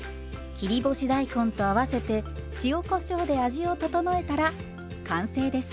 切り干し大根と合わせて塩こしょうで味を調えたら完成です。